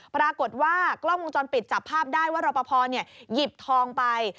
ปรากฏว่ากล้องวงจรปิดจับภาพได้ว่ารอปภหยิบทองไป